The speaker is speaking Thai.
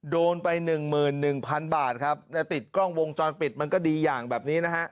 โดนไปหนึ่งหมื่นหนึ่งพันบาทครับแล้วติดกล้องวงจอดปิดมันก็ดีอย่างแบบนี้นะฮะ